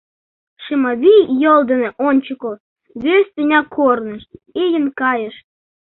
Шымавий йол дене ончыко, вес тӱня корныш, ийын кайыш.